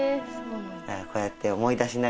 こうやって思い出しながらですね